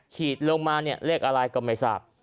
ฉีดลงมาเนี่ยเลขอะไรก็ไม่ทราบ